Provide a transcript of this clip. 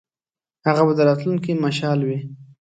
هغه به د راتلونکي مشعل وي.